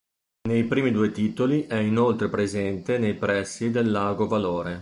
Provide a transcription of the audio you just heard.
Nei primi due titoli è inoltre presente nei pressi del Lago Valore.